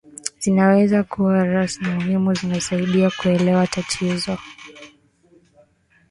zinaweza kuwa rasmali muhimu zinazosaidia kuelewa tatizo